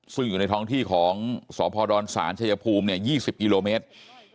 ซึ่งอยู่ในท้องที่ของสพดศาลชายภูมิ๒๐กิโลเมตร